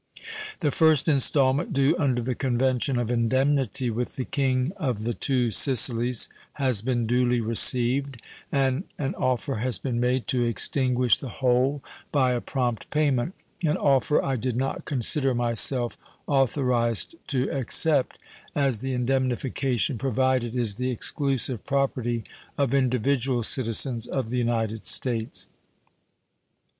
The first installment due under the convention of indemnity with the King of the Two Sicilies has been duly received, and an offer has been made to extinguish the whole by a prompt payment an offer I did not consider myself authorized to accept, as the indemnification provided is the exclusive property of individual citizens of the United States.